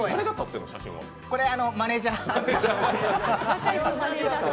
これはマネージャー。